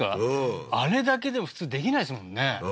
うんあれだけでも普通できないですもんね